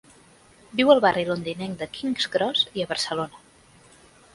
Viu al barri londinenc de King's Cross i a Barcelona.